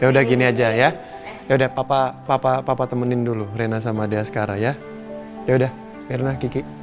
ya udah gini aja ya ya udah papa papa papa temenin dulu rena sama dia sekarang ya ya udah